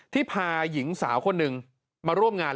พาหญิงสาวคนหนึ่งมาร่วมงาน